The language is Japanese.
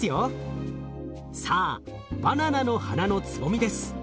さあバナナの花のつぼみです。